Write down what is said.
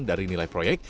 dari nilai proyek